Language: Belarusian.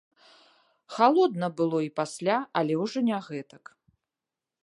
Халодна было і пасля, але ўжо не гэтак.